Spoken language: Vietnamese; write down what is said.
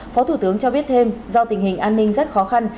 phó thủ tướng cho biết thêm do tình hình an ninh rất khó khăn